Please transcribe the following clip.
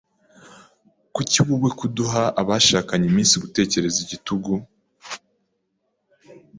Kuki wowe kuduha abashakanye iminsi gutekereza igitugu?